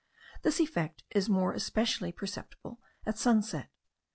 This effect is more especially perceptible at sunset.